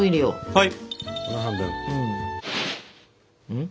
はい。